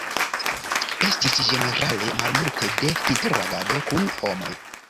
Estis ĝenerale malmulte de interagado kun homoj.